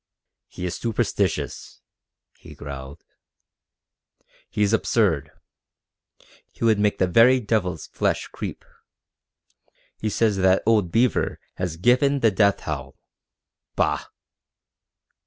"He is superstitious," he growled. "He is absurd. He would make the very devil's flesh creep. He says that old Beaver has given the death howl. Bah!"